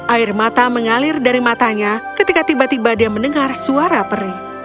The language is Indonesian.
air mata mengalir dari matanya ketika tiba tiba dia mendengar suara peri